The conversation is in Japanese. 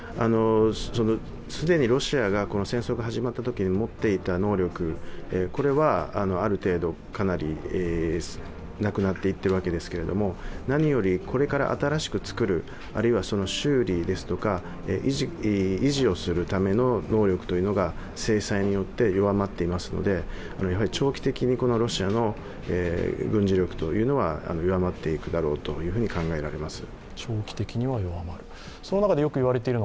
既にロシアが戦争が始まったときに持っていた能力はある程度、かなりなくなっていっているわけですけれども何より、これから新しく作るあるいはその修理ですとか維持をするための能力というのが制裁によって弱まっていますので長期的にロシアの軍事力というのは弱まっていくだろうと考えられます。